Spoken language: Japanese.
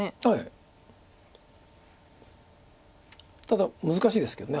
ただ難しいですけど。